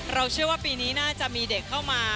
เชื่อว่าปีนี้น่าจะมีเด็กเข้ามา